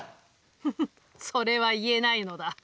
フフそれは言えないのだ。